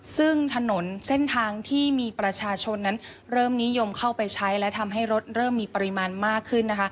ซึ่งถนนเส้นทางที่มีประชาชนนั้นเริ่มนิยมเข้าไปใช้และทำให้รถเริ่มมีปริมาณมากขึ้นนะคะ